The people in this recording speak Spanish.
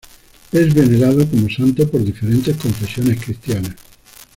Es venerado como santo por diferentes confesiones cristianas.